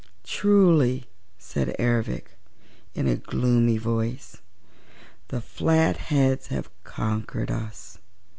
"Truly," said Ervic, in a gloomy voice, "the Flatheads have conquered us!"